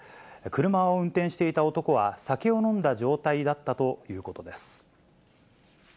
車を運転していた男は酒を飲んだ状態だったということです。